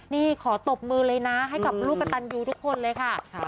นี่ขอตบมือเลยนะให้กับลูกกระตันยูทุกคนเลยค่ะ